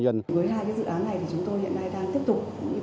với hai cái dự án này thì chúng tôi hiện nay đang tiếp tục công bạn